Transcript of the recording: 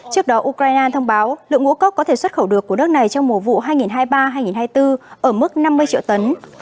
trước đó ukraine thông báo lượng ngũ cốc có thể xuất khẩu được của nước này trong mùa vụ hai nghìn hai mươi ba hai nghìn hai mươi bốn ở mức năm mươi triệu tấn